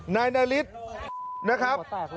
นายนาริสนะครับ